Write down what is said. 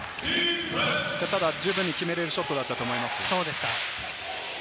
ただ十分決められるショットだったと思います。